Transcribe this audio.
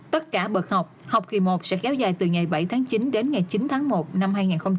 tất cả bậc học học kỳ một sẽ kéo dài từ ngày bảy tháng chín đến ngày chín tháng một năm hai nghìn hai mươi